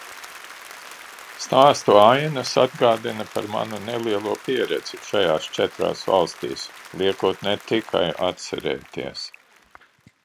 Stāstu ainas atgādina par manu nelielo pieredzi šajās četrās valstīs, liekot ne tikai atcerēties.